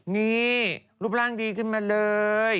นี่รูปร่างดีขึ้นมาเลย